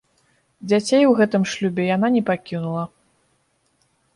Дзяцей у гэтым шлюбе яна не пакінула.